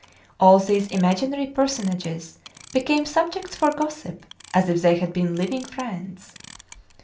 All these imaginary personages became subjects for gossip as if they had been living friends.